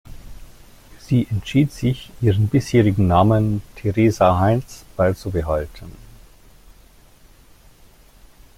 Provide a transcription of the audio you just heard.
Sie entschied sich, ihren bisherigen Namen Teresa Heinz beizubehalten.